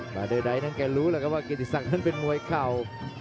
แต่โดยใดนั้นแกรู้แหละครับว่ากิศักดิ์เป็นมวยเข่า